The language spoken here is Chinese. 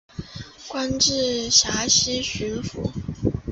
官至陕西巡抚。